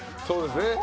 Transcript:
そうですね。